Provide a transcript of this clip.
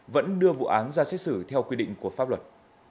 vẫn đưa vụ án ra xét xử theo quy định của pháp luật